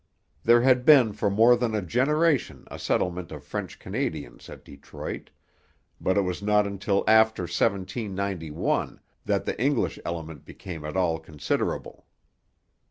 There had been for more than a generation a settlement of French Canadians at Detroit; but it was not until after 1791 that the English element became at all considerable.